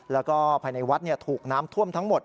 แล้วก็ภายในวัดถูกน้ำท่วมทั้งหมด